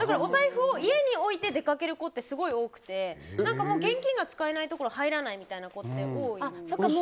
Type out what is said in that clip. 家に置いて出かける子ってすごい多くて現金が使えないところに入らないみたいな子って多いんですよ。